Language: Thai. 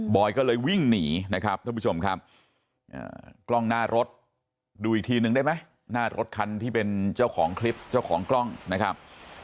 อยก็เลยวิ่งหนีนะครับท่านผู้ชมครับกล้องหน้ารถดูอีกทีนึงได้ไหมหน้ารถคันที่เป็นเจ้าของคลิปเจ้าของกล้องนะครับ